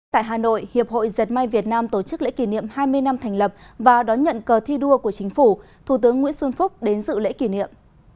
tại hà nội hiệp hội diệt may việt nam tổ chức lễ kỷ niệm hai mươi năm thành lập và đón nhận cờ thi đua của chính phủ thủ tướng nguyễn xuân phúc đến dự lễ kỷ niệm